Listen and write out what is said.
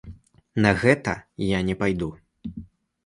На гэта я не пайду.